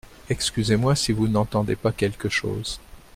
Excusez-moi si vous n’entendez pas quelque chose.